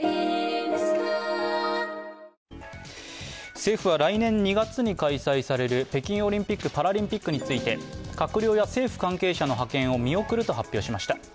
政府は来年２月に開催される北京オリンピック・パラリンピックについて閣僚や政府関係者の派遣を見送ると発表しました。